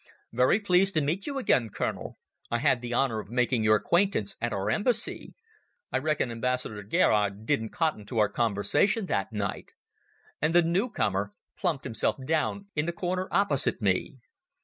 "Very pleased to meet you again, Colonel. I had the honour of making your acquaintance at our Embassy. I reckon Ambassador Gerard didn't cotton to our conversation that night." And the new comer plumped himself down in the corner opposite me.